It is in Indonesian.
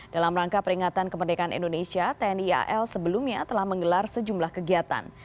dalam rangka peringatan kemerdekaan indonesia tni al sebelumnya telah menggelar sejumlah kegiatan